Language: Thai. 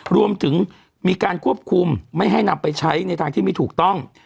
รวมถึงมีการควบคุมไม่ให้นำไปใช้ในทางที่ไม่ถูกต้อง